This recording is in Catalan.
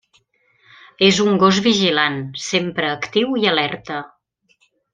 És un gos vigilant, sempre actiu i alerta.